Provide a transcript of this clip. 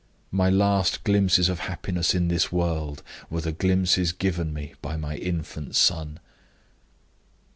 My last glimpses of happiness in this world were the glimpses given me by my infant son.